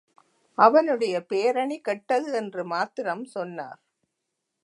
அவனுடைய பேரணி கெட்டது என்று மாத்திரம் சொன்னார்.